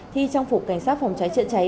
thi trang phục cảnh sát phòng cháy chạy cháy